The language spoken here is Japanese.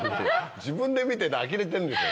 自分で見てて呆れてんでしょ？